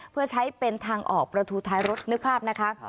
เพื่อใช้เป็นทางออกประทูท้ายรถนึกภาพนะคะ